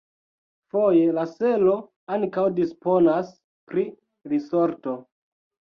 Foje la selo ankaŭ disponas pri risorto.